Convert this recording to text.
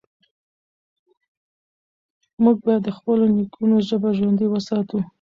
موږ بايد د خپلو نيکونو ژبه ژوندۍ وساتو.